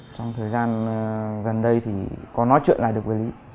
trong thời gian gần đây thì có nói chuyện lại được với